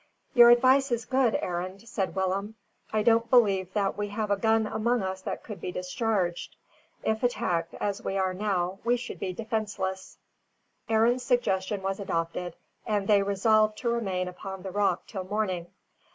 "Your advice is good, Arend," said Willem. I don't believe that we have a gun among us that could be discharged; if attacked, as we are now, we should be defenceless. Arend's suggestion was adopted, and they resolved to remain upon the rock till morning.